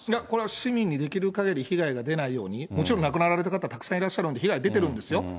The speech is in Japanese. これは市民にできるかぎり被害が出ないように、もちろん亡くなられた方、たくさんいらっしゃるんで、被害出てるんですよ。